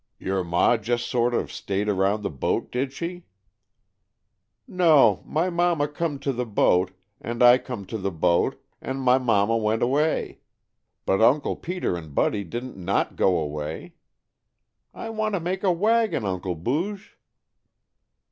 "Your ma just sort of stayed around the boat, did she?" "No, my mama comed to the boat, and I comed to the boat, and my mama went away. But Uncle Peter and Buddy didn't not go away. I want to make a wagon, Uncle Booge."